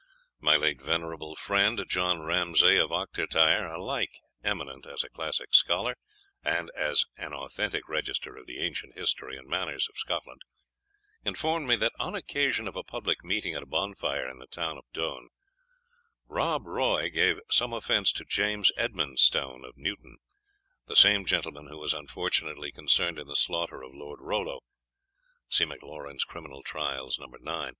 My late venerable friend, John Ramsay of Ochtertyre, alike eminent as a classical scholar and as an authentic register of the ancient history and manners of Scotland, informed me, that on occasion of a public meeting at a bonfire in the town of Doune, Rob Roy gave some offence to James Edmondstone of Newton, the same gentleman who was unfortunately concerned in the slaughter of Lord Rollo (see Maclaurin's Criminal Trials, No. IX.)